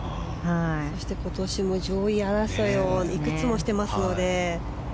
そして今年も上位争いをいくつもしていますので。